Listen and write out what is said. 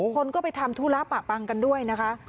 คนก็ไปทำธุระปะปังกันด้วยนะคะ